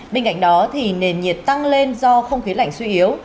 bên cạnh đó thì nền nhiệt tăng lên do không khí lạnh suy yếu